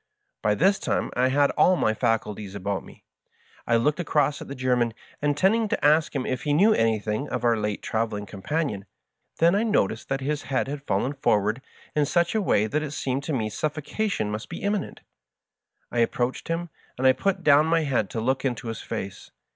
By this time I had all my faculties about me. I looked across at the German, intending to ask him if he knew anything of our late traveling companion. Then I noticed that his head had fallen forward in such a way that it seemed to me suffocation must be imminent. I Digitized by VjOOQIC MY FASCINATINQ FRIEND. 147 approached him, and put down my head to look into his face.